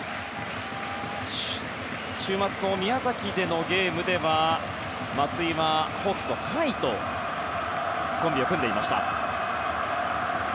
週末の宮崎でのゲームでは松井はホークスの甲斐とコンビを組んでいました。